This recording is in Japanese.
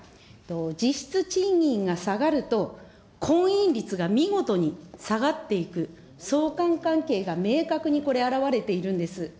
実質賃金が下がると婚姻率が見事に下がっていく、相関関係が明確に表れているんです。